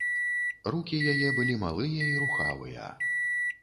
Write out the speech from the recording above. Рукі яе былі малыя і рухавыя.